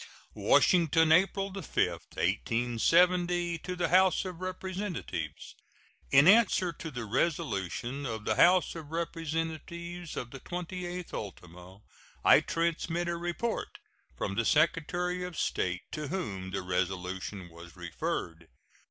WASHINGTON, April 5, 1870. To the House of Representatives: In answer to the resolution of the House of Representatives of the 28th ultimo, I transmit a report from the Secretary of State, to whom the resolution was referred.